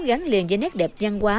gắn liền với nét đẹp văn hóa